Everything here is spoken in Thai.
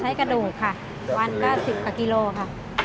ใช้กระดูกค่ะวันก็๑๐กกิโลกรัมค่ะ